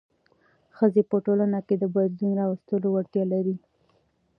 ښځې په ټولنه کې د بدلون راوستلو وړتیا لري.